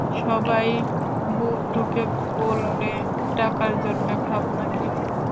সবাই বুক ঠুকে বললে, টাকার জন্যে ভাবনা কী?